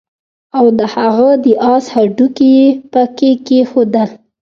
او د هغه د آس هډوکي يې پکي کېښودل